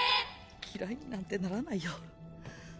嫌いになんてならないよ。